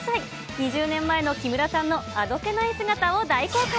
２０年前の木村さんのあどけない姿を大公開。